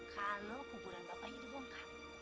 kalau kuburan bapaknya dibongkar